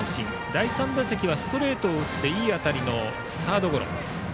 第３打席はストレートを打っていい当たりのサードゴロ。